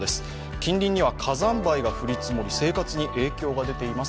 近隣には火山灰が降り積もり、生活に影響が出ています。